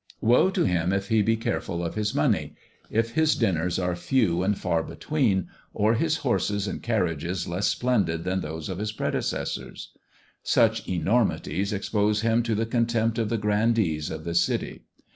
Woe to him if he be careful of his money, if his dinners are few and far between, or his horses and carriages less splendid than those of his predecessors! Such enormities expose him to the contempt of the grandees of the City.